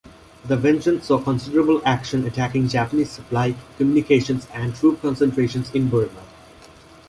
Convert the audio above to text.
The Vengeance saw considerable action attacking Japanese supply, communications and troop concentrations in Burma.